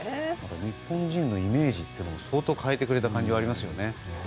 日本人のイメージというのを相当変えてくれた感じがありますね。